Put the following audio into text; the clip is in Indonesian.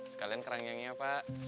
sekalian keranggangnya pak